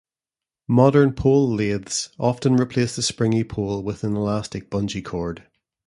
Modern pole lathes often replace the springy pole with an elastic bungee cord.